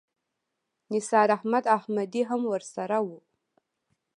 نثار احمد احمدي هم ورسره و.